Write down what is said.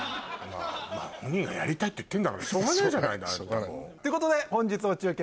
まぁ本人がやりたいって言ってんだからしょうがないじゃないのあんたもう。ということで本日の中継